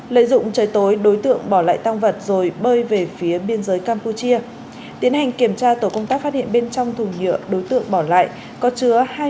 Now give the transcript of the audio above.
lợi dụng trời tối đối tượng bỏ lại tăng vật rồi bơi về phía biên giới campuchia tiến hành kiểm tra tổ công tác phát hiện bên trong thùng nhựa đối tượng bỏ lại có chứa